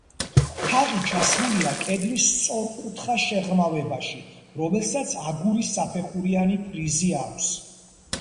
თაღი ჩასმულია კედლის სწორკუთხა შეღრმავებაში, რომელსაც აგურის საფეხურიანი ფრიზი აქვს.